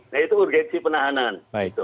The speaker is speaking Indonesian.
nah itu urgensi penahanan